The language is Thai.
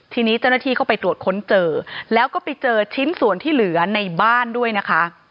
ทีนี้เจ้าหน้าที่ก็ไปตรวจค้นเจอแล้วก็ไปเจอชิ้นส่วนที่เหลือในบ้านด้วยนะคะ